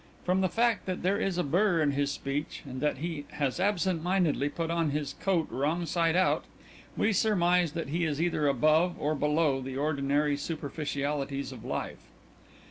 From the fact that there is a burr in his speech and that he has absent mindedly put on his coat wrongside out, we surmise that he is either above or below the ordinary superficialities of life.